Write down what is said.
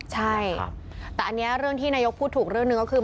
ใช่แต่อันนี้เรื่องที่นายกพูดถูกเรื่องหนึ่งก็คือ